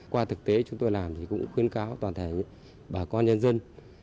qua thực tế chúng tôi làm thì cũng khuyến cáo toàn thể bà con nhân dân